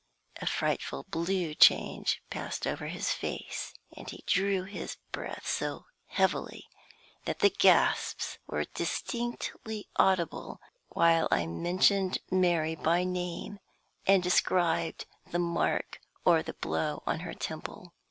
A frightful blue change passed over his face, and he drew his breath so heavily that the gasps were distinctly audible while I mentioned Mary by name and described the mark or the blow on her temple.